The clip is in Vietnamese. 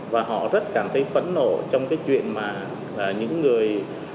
và họ rất cảm thấy phẫn nộ trong cái chuyện mà những người